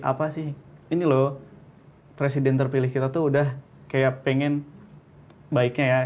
apa sih ini loh presiden terpilih kita tuh udah kayak pengen baiknya ya